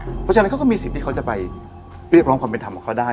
เพราะฉะนั้นเขาก็มีสิทธิ์ที่เขาจะไปเรียกร้องความเป็นธรรมกับเขาได้